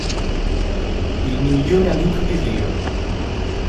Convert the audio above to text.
Il migliore amico di Ryo.